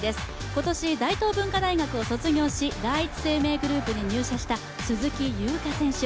今年大東文化大学を卒業し第一生命グループに入社した鈴木優花選手。